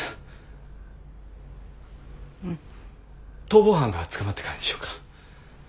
逃亡犯が捕まってからにしようか。